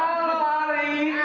kamu sudah gede ya